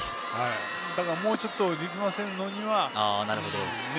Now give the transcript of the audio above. だから、もうちょっと力ませるためには。